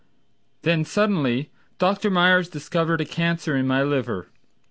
Then suddenly, Dr. Meyers discovered A cancer in my liver.